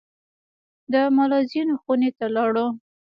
د ملازمینو خونې ته لاړو.